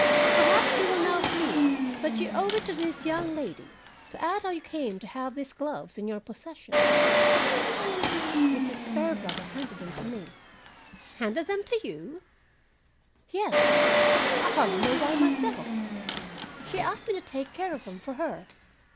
"Perhaps you will now feel that you owe it to this young lady to add how you came to have these gloves in your possession?" "Mrs. Fairbrother handed them to me." "Handed them to you?" "Yes, I hardly know why myself. She asked me to take care of them for her.